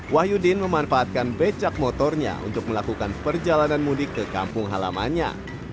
wahyudin memanfaatkan becak motornya untuk melakukan perjalanan mudik ke kampung halamannya